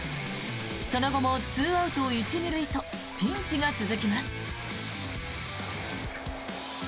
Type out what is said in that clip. その後も２アウト１・２塁とピンチが続きます。